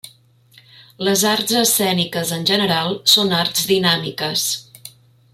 Les arts escèniques en general són arts dinàmiques.